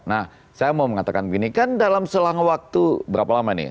nah saya mau mengatakan begini kan dalam selang waktu berapa lama nih